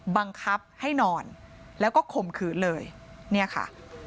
บังคับให้นอนแล้วก็ข่มขืนเลยเนี่ยค่ะ